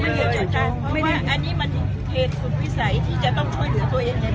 ไม่ได้เจาะไม่ได้เพราะว่าอันนี้มันเป็นเหตุสุดวิสัยที่จะต้องช่วยเหลือตัวเอง